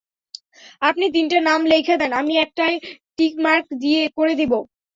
আপনে তিনটা নাম লেইখা দেন, আমি একটায় টিক মার্ক করে দেব।